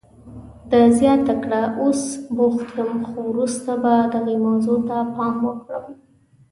ده زیاته کړه، اوس بوخت یم، خو وروسته به دغې موضوع ته پام وکړم.